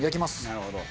なるほど。